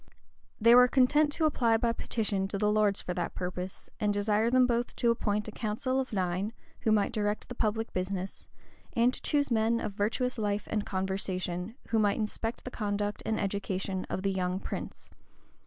They were content to apply by petition to the lords for that purpose, and desire them both to appoint a council of nine, who might direct the public business, and to choose men of virtuous life and conversation, who might inspect the conduct and education of the young prince.